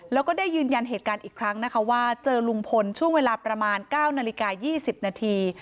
แล้วก็ได้ยืนยันเหตุการณ์อีกครั้งนะคะว่าเจอลุงพลช่วงเวลาประมาณ๙นาฬิกา๒๐นาที